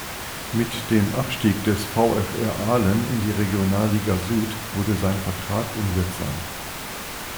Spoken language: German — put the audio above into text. Mit dem Abstieg des VfR Aalen in die Regionalliga Süd wurde sein Vertrag unwirksam.